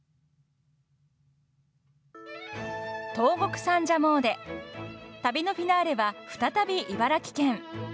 東国三社詣旅のフィナーレは再び茨城県。